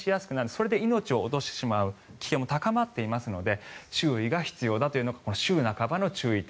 それで命を落としてしまう危険も高まってしまいますので注意が必要だというのが週半ばの注意点。